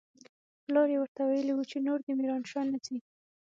پلار يې ورته ويلي و چې نور دې ميرانشاه نه ځي.